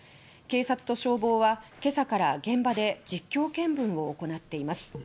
警察と消防は今朝から現場で実況見分を行っています。